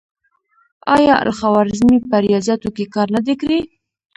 آیا الخوارزمي په ریاضیاتو کې کار نه دی کړی؟